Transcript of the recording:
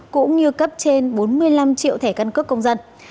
cũng như cấp trên bốn mươi năm triệu thẻ căn cước công dân